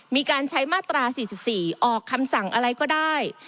มีการใช้มาตรา๔๔ออกคำสั่งอะไรก็ได้